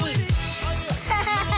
ハハハハハ！